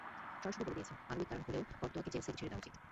সরাসরি বলে দিয়েছেন, মানবিক কারণে হলেও কোর্তোয়াকে চেলসির ছেড়ে দেওয়া উচিত।